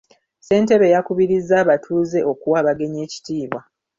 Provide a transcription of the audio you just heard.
Ssentebe yakubirizza abatuuze okuwa abagenyi ekitiibwa.